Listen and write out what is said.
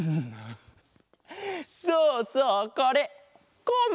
そうそうこれコマ！